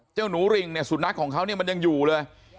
เจ้าหนูริงเนี่ยสุนัขของเขาเนี่ยมันยังอยู่เลย